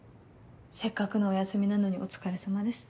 せっかくのお休みなのにお疲れさまです。